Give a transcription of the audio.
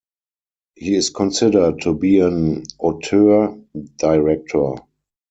He is considered to be an auteur director.